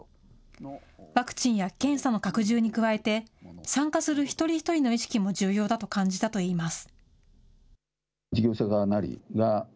ワクチンや検査の拡充に加えて、参加する一人一人の意識も重要だと感じたといいます。